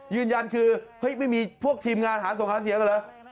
ยืนยันคือไม่มีพวกทีมงานหาส่งขาเสียงเหรอ